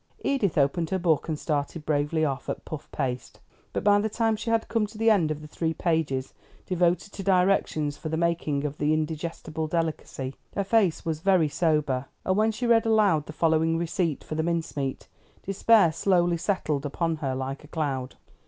Edith opened her book and started bravely off at "Puff paste;" but by the time she had come to the end of the three pages devoted to directions for the making of that indigestible delicacy, her face was very sober, and when she read aloud the following receipt for the mince meat, despair slowly settled upon her like a cloud.